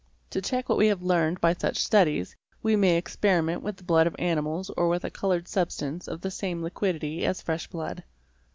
To check what we have learned by such studies, we may experiment with the blood of animals or with a coloured sub stance of the same liquidity as fresh blood.